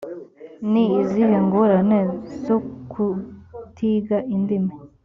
ni izihe ngorane zokutiga indimi?